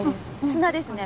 砂ですね